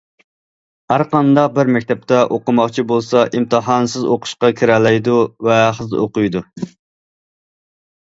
ھەرقانداق بىر مەكتەپتە ئوقۇماقچى بولسا ئىمتىھانسىز ئوقۇشقا كىرەلەيدۇ ۋە ھەقسىز ئوقۇيدۇ.